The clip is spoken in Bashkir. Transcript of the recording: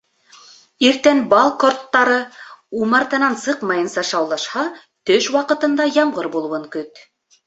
Иртән бал корттары умартанан сыҡмайынса шаулашһа, төш ваҡытында ямғыр булыуын көт.